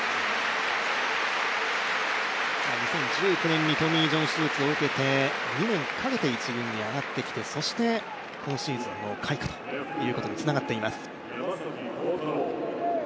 ２０１９年にトミー・ジョン手術を受けて２年かけて１軍に上がってきて今シーズン開花ということにつながっています。